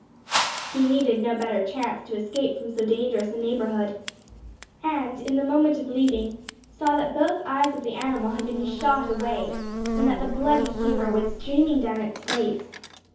He needed no better chance to escape from so dangerous a neighbourhood; and, in the moment of leaving, saw that both eyes of the animal had been shot away, and that the bloody humour was streaming down its face.